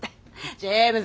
ジェームズ